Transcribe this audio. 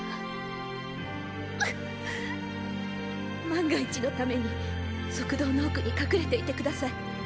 万が一のために側道の奥に隠れていて下さい。